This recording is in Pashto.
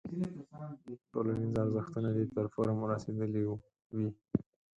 ټولنیز ارزښتونه دې تر فورم رارسېدلی وي.